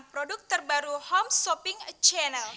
produk terbaru home shopping channel